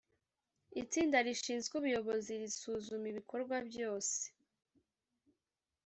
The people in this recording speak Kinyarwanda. itsinda rishinzwe ubuyobozi risuzuma ibikorwa byose.